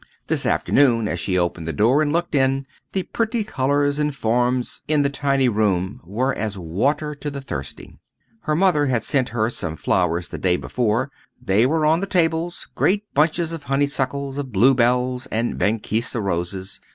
This afternoon as she opened the door and looked in, the pretty colours and forms in the tiny room were as water to the thirsty. Her mother had sent her some flowers the day before. There they were on the tables, great bunches of honey suckles, of blue bells, and Banksia roses.